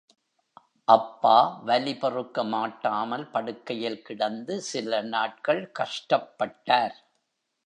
அப்பா வலி பொறுக்க மாட்டாமல் படுக்கையில் கிடந்து சில நாட்கள் கஷ்டப்பட்டார்.